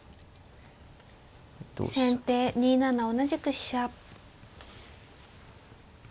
先手２七同じく飛車。